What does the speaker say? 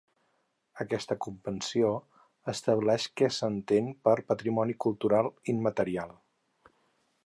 Aquesta Convenció estableix què s'entén per "patrimoni cultural immaterial".